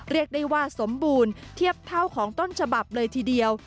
เรียกได้ว่าสมบูรณ์เทียบเท่าของต้นฉบับเลยทีเดียว